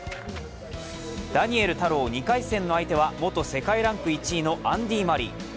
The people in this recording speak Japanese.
ダニエル太郎、２回戦の相手は元世界ランク１位のアンディ・マリー。